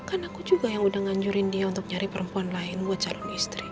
kan aku juga yang udah nganjurin dia untuk nyari perempuan lain buat calon istri